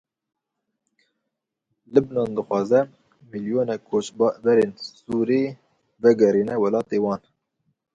Libnan dixwaze milyonek koçberên Sûrî vegerîne welatê wan.